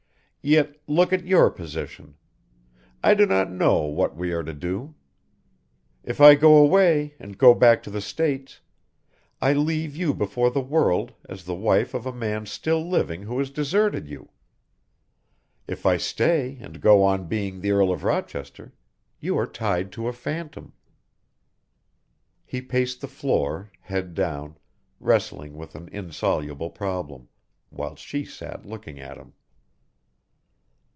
Yet, look at your position I do not know what we are to do. If I go away and go back to the States, I leave you before the world as the wife of a man still living who has deserted you, if I stay and go on being the Earl of Rochester, you are tied to a phantom." He paced the floor, head down, wrestling with an insoluble problem, whilst she sat looking at him.